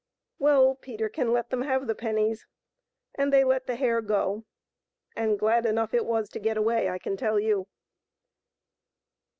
Well, Peterkin let them have the pennies, and they let the hare go, and glad enough it was to get away, I can tell you.